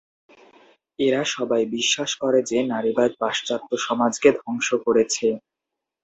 এরা সবাই বিশ্বাস করে যে, নারীবাদ পাশ্চাত্য সমাজকে ধ্বংস করেছে।